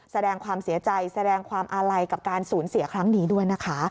แสดงความเสียใจแสดงความอาลัยกับการสูญเสียครั้งนี้ด้วยนะคะ